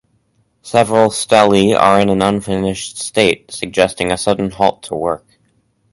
Several stelae are in an unfinished state, suggesting a sudden halt to work.